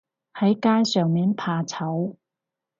喺街上面怕醜